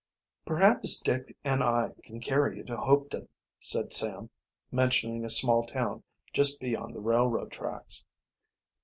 "Perhaps Dick and I can carry you to Hopeton," said Sam, mentioning a small town just beyond the railroad tracks.